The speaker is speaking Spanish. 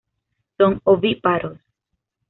Son Ovíparos.